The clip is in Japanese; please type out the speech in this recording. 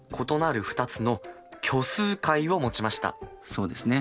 そうですね。